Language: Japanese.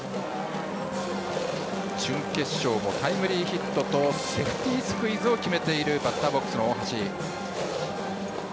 準決勝もタイムリーヒットとセーフティースクイズを決めているバッターボックスの大橋。